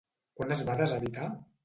Quan es va deshabitar?